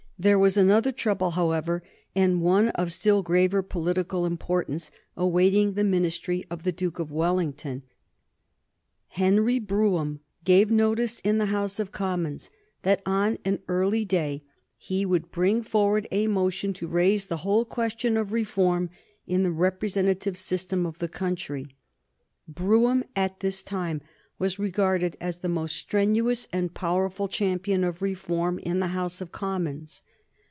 There was another trouble, however, and one of still graver political importance, awaiting the Ministry of the Duke of Wellington. [Sidenote: 1830 Brougham and Reform] Henry Brougham gave notice in the House of Commons that on an early day he would bring forward a motion to raise the whole question of reform in the representative system of the country. Brougham, at this time, was regarded as the most strenuous and powerful champion of reform in the House of Commons.